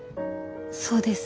そうです。